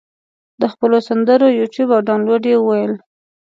د خپلو سندرو یوټیوب او دانلود یې وویل.